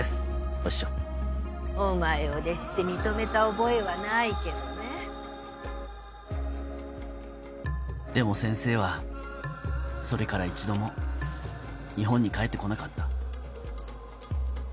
お師匠お前を弟子って認めた覚えはでも先生はそれから一度も日本に帰って来なかった